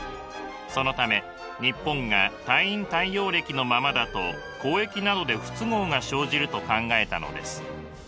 そのため日本が太陰太陽暦のままだと交易などで不都合が生じると考えたのです。